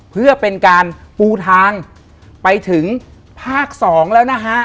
เพื่อเป็นการปูทางไปถึงภาค๒แล้วนะฮะ